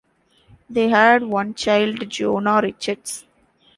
They had one child Joanna Richards.